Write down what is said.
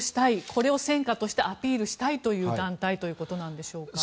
これを戦果としてアピールしたいという段階ということでしょうか。